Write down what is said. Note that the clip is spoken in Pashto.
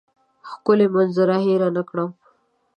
ښکلې منظره هېره نه کړم.